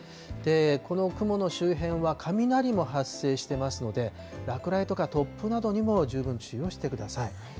この雲の周辺は、雷も発生していますので、落雷とか突風などにも十分注意をしてください。